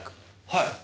はい。